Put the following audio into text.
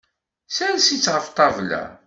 Sers-itt ɣef ṭṭabla.